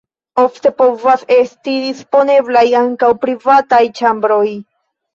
Ofte povas esti disponeblaj ankaŭ privataj ĉambroj.